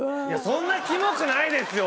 そんなキモくないですよ！